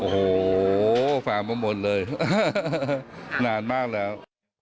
โอ้โฮฝ่ามามนต์เลยนานมากแล้ว